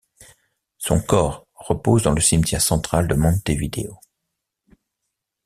Son corps repose dans le cimetière central de Montevideo.